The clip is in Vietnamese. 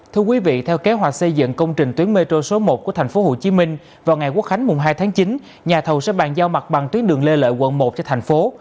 thưa quý vị theo kế hoạch xây dựng công trình tuyến mê trô số một của thành phố hồ chí minh vào ngày quốc khánh hai tháng chín nhà thầu sẽ bàn giao mặt bằng tuyến đường lê lợi quận một cho thành phố